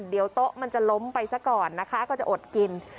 เดี๋ยวโต๊ะมันจะล้มไปซะก่อนนะคะก็จะอดกิน